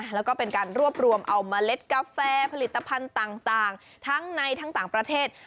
แล้วก็เป็นการรวบรวมเอาเมล็ดกาแฟผลิตภัณฑ์ต่างทั้งในทั้งต่างประเทศ